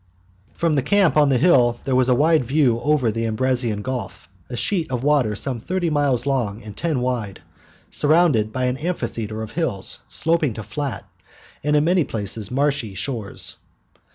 From the camp on the hill there was a wide view over the Ambracian Gulf, a sheet of water some thirty miles long and ten wide, surrounded by an amphitheatre of hills sloping to flat, and in many places marshy, shores.